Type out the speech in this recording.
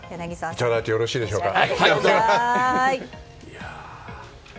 いただいてよろしいでしょうか。